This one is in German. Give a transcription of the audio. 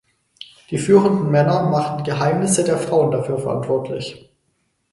Die führenden Männer machten die ‚Geheimnisse der Frauen‘ dafür verantwortlich.